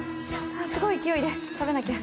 すごい勢いで食べなきゃ。